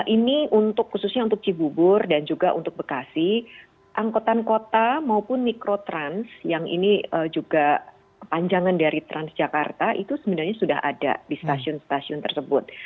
ini untuk khususnya untuk cibubur dan juga untuk bekasi angkutan kota maupun mikrotrans yang ini juga panjangan dari transjakarta itu sebenarnya sudah ada di stasiun stasiun tersebut